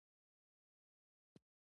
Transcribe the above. که دوه الکترونونه برخه واخلي ولانس دوه دی.